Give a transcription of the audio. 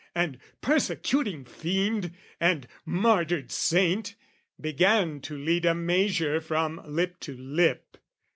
And "persecuting fiend" and "martyred saint" Began to lead a measure from lip to lip.